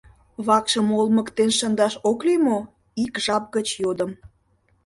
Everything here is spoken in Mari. — Вакшым олмыктен шындаш ок лий мо? — ик жап гыч йодым.